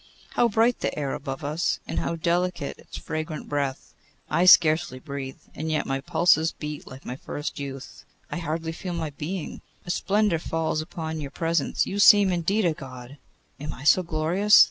How bright the air above us, and how delicate its fragrant breath! I scarcely breathe, and yet my pulses beat like my first youth. I hardly feel my being. A splendour falls upon your presence. You seem, indeed, a God! Am I so glorious?